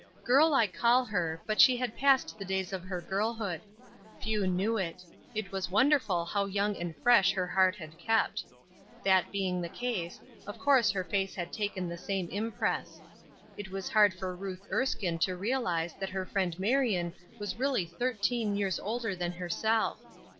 Girl I call her, but she had passed the days of her girlhood. Few knew it; it was wonderful how young and fresh her heart had kept. That being the case, of course her face had taken the same impress. It was hard for Ruth Erskine to realize that her friend Marion was really thirteen years older than herself.